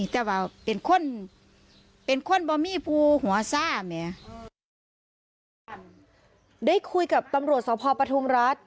ได้คุยกับตำรวจสพปทุมรัฐ